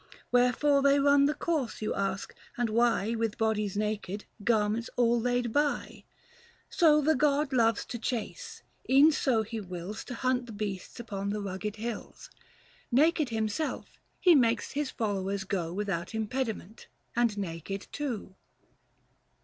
Wherefore they run the course, you ask, and why With bodies naked, garments all laid by ? 295 So the god loves to chase ; e'en so he wills To hunt the beasts upon the rugged hills ; Book II. THE FASTI. 43 Naked himself, he makes his followers go Without impediment, and naked too.